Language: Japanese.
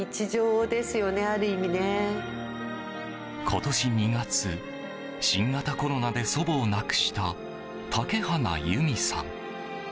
今年２月、新型コロナで祖母を亡くした竹花有美さん。